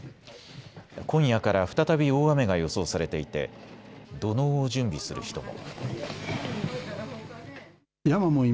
今夜から再び大雨が予想されていて土のうを準備する人も。